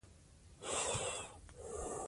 موږ باید د سبا غم وخورو.